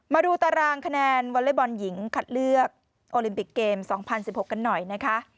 มาดูตารางคะแนนวอเล็กบอลหญิงคัดเลือกโอลิมปิกเกม๒๐๑๖กันหน่อยนะคะ